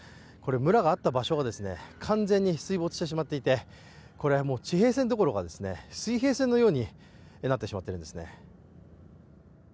村があった場所が完全に水没してしまっていて、地平線どころか水平線のようになってしまっているんですね。